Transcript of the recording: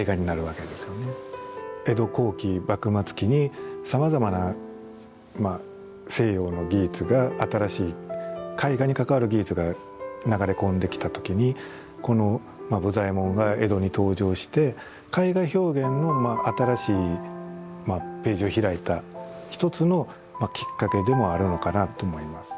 江戸後期幕末期にさまざまな西洋の技術が新しい絵画に関わる技術が流れ込んできた時にこの武左衛門が江戸に登場して絵画表現のまあ新しいページを開いた一つのきっかけでもあるのかなと思います。